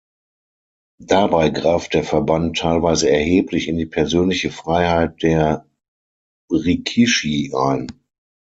Dabei greift der Verband teilweise erheblich in die persönliche Freiheit der Rikishi ein.